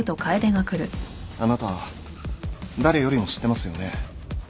あなた誰よりも知ってますよね。